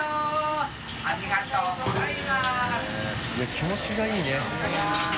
気持ちがいいね。